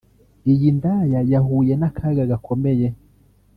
iy’indaya yahuye n’akaga gakomeye